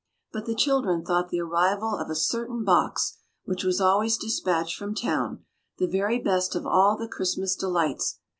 But the children thought the arrival of a certain box, which was always dispatched from town, the very best of all the Christmas delights.